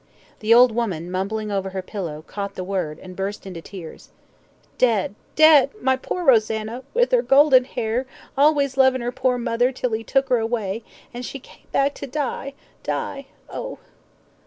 The old woman, mumbling over her pillow, caught the word, and burst into tears. "Dead! dead! my poor Rosanna, with 'er golden 'air, always lovin' 'er pore mother till 'e took 'er away, an' she came back to die die ooh!"